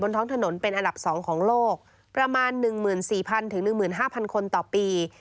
ท้องถนนเป็นอันดับ๒ของโลกประมาณ๑๔๐๐๑๕๐๐คนต่อปี